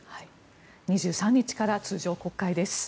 ２３日から通常国会です。